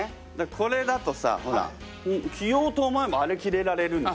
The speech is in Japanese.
これだとさほら着ようと思えばあれ着れられるんですよ。